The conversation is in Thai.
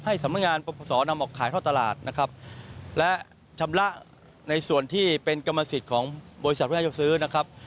สำนักงานประพศนำออกขายท่อตลาดนะครับและชำระในส่วนที่เป็นกรรมสิทธิ์ของบริษัทว่าจะซื้อนะครับ